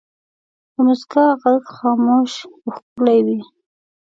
د مسکا ږغ خاموش خو ښکلی وي.